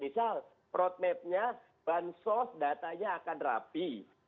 misal roadmap nya band source datanya akan rapi